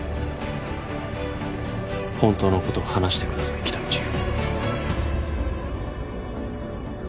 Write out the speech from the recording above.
本当のことを話してください喜多見チーフ